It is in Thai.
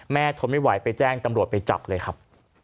ทนไม่ไหวไปแจ้งตำรวจไปจับเลยครับ